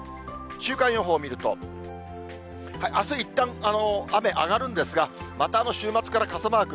週間予報を見ると、あすいったん、雨上がるんですが、また週末から傘マーク。